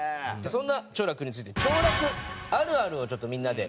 そんな兆楽について「兆楽あるある」をちょっとみんなで。